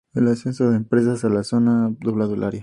El ascenso de empresas a la zona ha doblado el área.